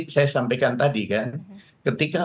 saya sampaikan tadi kan ketika